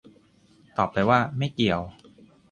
ตอบไปว่า "ไม่เกี่ยว"